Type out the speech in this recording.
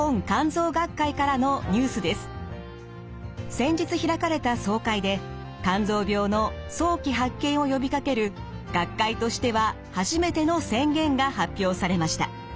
先日開かれた総会で肝臓病の早期発見をよびかける学会としては初めての宣言が発表されました。